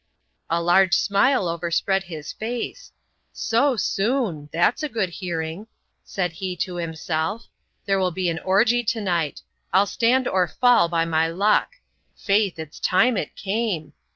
A large smile overspread his face. "So soon! that's a good hearing," said he to himself. "There will be an orgy to night. I'll stand or fall by my luck. Faith, it's time it came!"